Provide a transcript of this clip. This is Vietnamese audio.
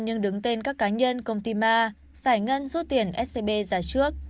nhưng đứng tên các cá nhân công ty ma xài ngân rút tiền scb ra trước